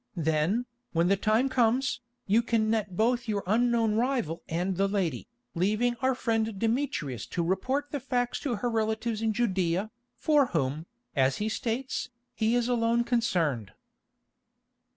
Then, when the time comes, you can net both your unknown rival and the lady, leaving our friend Demetrius to report the facts to her relatives in Judæa, for whom, as he states, he is alone concerned."